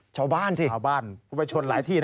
ชาวบ้านสิ